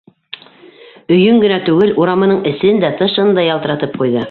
Өйөн генә түгел, урамының эсен дә, тышын да ялтыратып ҡуйҙы.